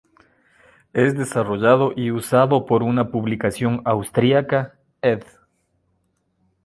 Es desarrollado y usado por una publicación austriaca Ed.